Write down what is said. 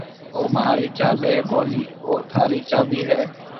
او مهاري چاٻِي ڪونَي هيَ، او ٿارِي چاٻِي هيَ۔